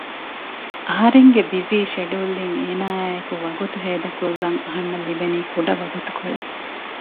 އަހަރެންގެ ބިޒީ ޝެޑިއުލްއިން އޭނައާއިއެކު ވަގުތު ހޭދަކޮށްލަން އަހަންނަށް ލިބެނީ ކުޑަ ވަގުތުކޮޅެއް